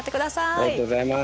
ありがとうございます。